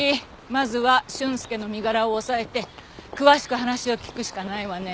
まずは俊介の身柄を押さえて詳しく話を聞くしかないわね。